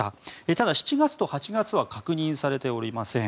ただ、７月と８月は確認されておりません。